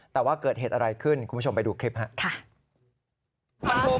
แต่ว่าเกิดเหตุอะไรขึ้นคุณผู้ชมไปดูคลิปครับ